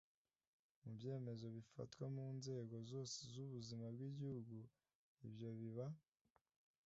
mu byemezo bifatwa mu nzego zose z'ubuzima bw'igihugu. ibyo bibaha